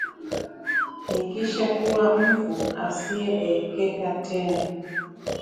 nikishakuwa mfu asiyeekeka tena